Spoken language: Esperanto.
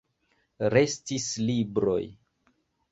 Restis libroj.